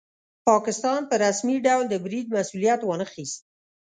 پاکستان په رسمي ډول د برید مسوولیت وانه خیست.